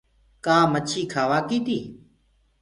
ڪآ مڇي کآوآ ڪي تي؟